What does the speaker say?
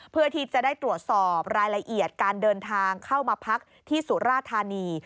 เพื่อที่จะได้ตรวจสอบรายละเอียดการเดินทางเข้ามาพักที่สุราธานี